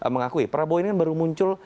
mengakui prabowo ini kan baru muncul